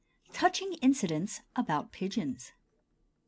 TOUCHING INCIDENTS ABOUT PIGEONS.